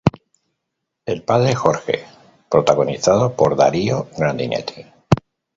El padre Jorge", protagonizado por Darío Grandinetti.